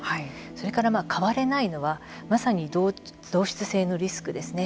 それから変われないのはまさに同質性のリスクですね。